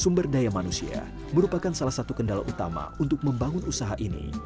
sumber daya manusia merupakan salah satu kendala utama untuk membangun usaha ini